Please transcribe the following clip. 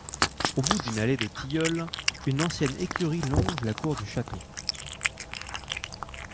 Au bout d'une allée de tilleuls, une ancienne écurie longe la cour du château.